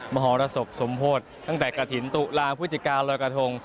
มหรสบสมโพธิตั้งแต่กระถิ่นตุลาพฤศจิการอยกระทง